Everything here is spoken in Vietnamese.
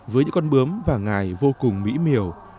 với những con bướm và ngài vô cùng mỹ miều